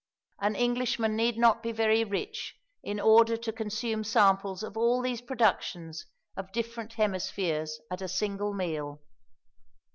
An Englishman need not be very rich in order to consume samples of all these productions of different hemispheres at a single meal.